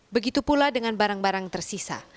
begitu pula dengan barang barang tersisa